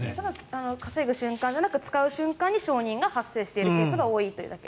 稼ぐ瞬間ではなく使う瞬間に承認が発生しているケースが多いと。